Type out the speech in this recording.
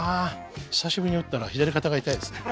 久しぶりに打ったら左肩が痛いですね。